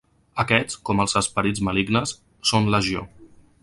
Aquests, com els esperits malignes, són legió.